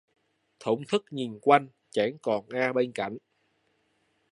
Thổn thức nhìn quanh, chẳng còn ai bên cạnh